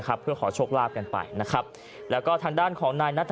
เพื่อขอโชคลาภกันไปนะครับแล้วก็ทางด้านของนายนัท